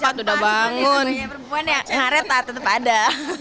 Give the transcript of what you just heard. pada hari ini yang perempuan yang areta tetap ada